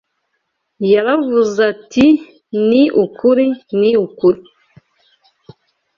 Yaravuze ati: “Ni ukuri, ni ukuri,